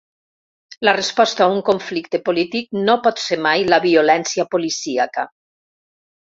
La resposta a un conflicte polític no pot ser mai la violència policíaca.